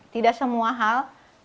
tidak semua hal